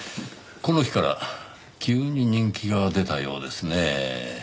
この日から急に人気が出たようですねぇ。